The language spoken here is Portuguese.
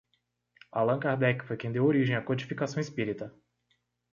Allan Kardec foi quem deu origem à codificação espírita